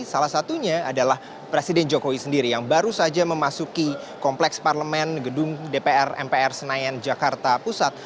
salah satunya adalah presiden jokowi sendiri yang baru saja memasuki kompleks parlemen gedung dpr mpr senayan jakarta pusat